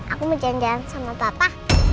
aku mau jalan jalan sama papa